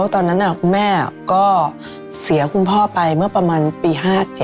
ตอนนั้นคุณแม่ก็เสียคุณพ่อไปเมื่อประมาณปี๕๗